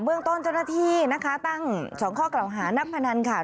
เรื่องต้นเจ้าหน้าที่นะคะตั้ง๒ข้อกล่าวหานักพนันค่ะ